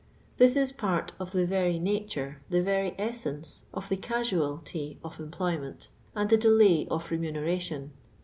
This is part of the very nature, the very essence, of the casualty of employment and the del.iy of remuneration.